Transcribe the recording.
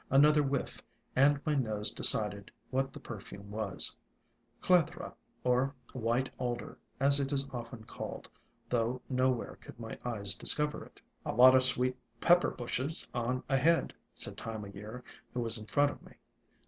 Another whiff, and my nose decided that the perfume was Clethra or White Alder, as it is often called, though nowhere could my eyes discover it. "A lot o' Sweet Pepper bushes on ahead," said Time o' Year, who was in front of me.